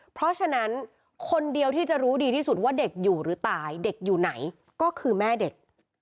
เพราะฉะนั้นคนเดียวที่จะรู้ดีที่สุดว่าเด็กอยู่หรือตายเด็กอยู่ไหนก็คือแม่เด็ก